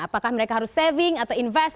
apakah mereka harus saving atau invest